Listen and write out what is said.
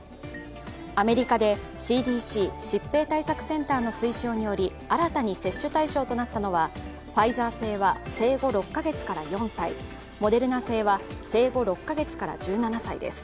アメリカでＣＤＣ＝疾病対策センターの推奨により、新たに接種対象となったのは、ファイザー製は生後６カ月から４歳、モデルナ製は、生後６カ月から１７歳です。